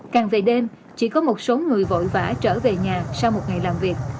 càng về đêm chỉ có một số người vội vã trở về nhà sau một ngày làm việc